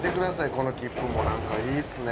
この切符もなんかいいっすね。